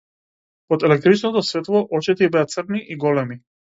Под електричното светло очите и беа црни и големи.